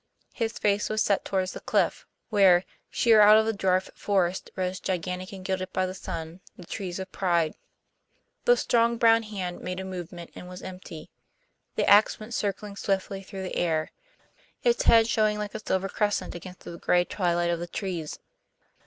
His face was set toward the cliff, where, sheer out of the dwarf forest, rose, gigantic and gilded by the sun, the trees of pride. The strong brown hand made a movement and was empty. The ax went circling swiftly through the air, its head showing like a silver crescent against the gray twilight of the trees.